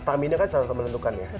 staminanya kan sangat menentukan ya